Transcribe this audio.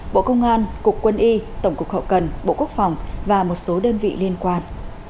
bộ công an cục quân y tổng cục hậu cần bộ quốc phòng và một số đơn vị liên quan